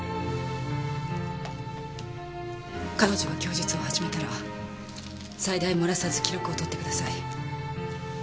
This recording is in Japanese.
彼女が供述を始めたら細大漏らさず記録を取ってください。